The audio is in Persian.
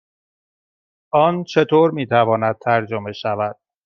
آن چطور می تواند ترجمه شود؟